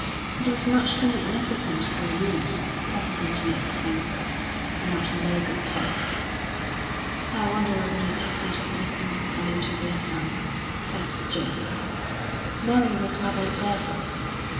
It was much too magnificent for use, evidently expensive, and not in very good taste. "I wonder whether they take that as equal in value to their son?" said James. Mary was rather dazzled.